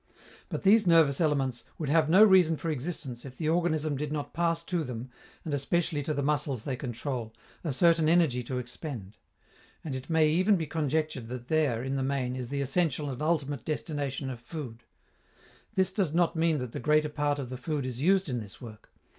But these nervous elements would have no reason for existence if the organism did not pass to them, and especially to the muscles they control, a certain energy to expend; and it may even be conjectured that there, in the main, is the essential and ultimate destination of food. This does not mean that the greater part of the food is used in this work.